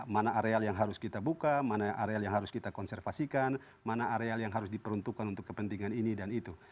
mana areal yang harus kita buka mana areal yang harus kita konservasikan mana areal yang harus diperuntukkan untuk kepentingan ini dan itu